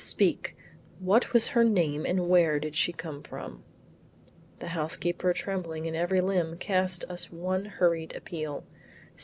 Speak; what was her name and where did she come from?" The housekeeper trembling in every limb, cast us one hurried appeal.